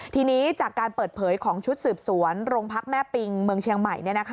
ทีนี้จากการเปิดเผยของชุดสืบสวนโรงพักแม่ปิงเมืองเชียงใหม่